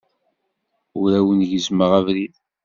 Ur awen-gezzmeɣ abrid.